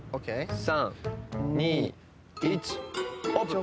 ３２１オープン！